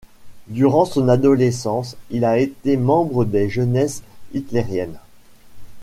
Durant son adolescence, il a été membre des jeunesses hitlériènnes.